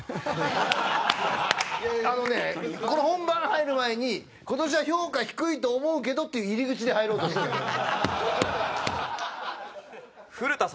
あのねこの本番入る前に「今年は評価低いと思うけど」っていう入り口で入ろうとしてたから。